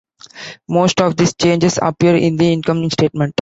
Most of these changes appear in the income statement.